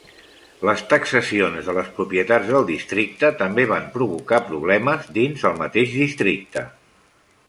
Les taxacions de les propietats del districte també van provocar problemes dins el mateix districte.